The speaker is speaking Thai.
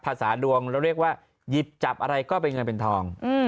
ภาษาดวงเราเรียกว่าหยิบจับอะไรก็เป็นเงินเป็นทอง